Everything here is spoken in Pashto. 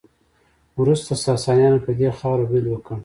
وروسته ساسانیانو په دې خاوره برید وکړ